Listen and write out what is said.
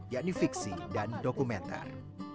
yakni fiksi dan dokumenter